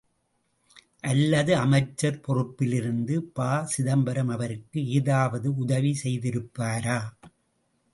அல்லது அமைச்சர் பொறுப்பிலிருந்து ப.சிதம்பரம் அவருக்கு ஏதாவது உதவி செய்திருப்பாரா?